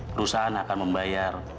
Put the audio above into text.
perusahaan akan membayar